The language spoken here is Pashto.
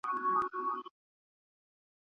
ریاکاري او تصنع د څېړنې په ډګر کې ځای نه لري.